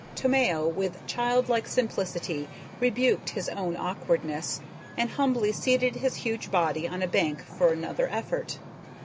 Tomeo with childlike simplicity rebuked his own awkwardness, and humbly seated his huge body on a bank for another effort.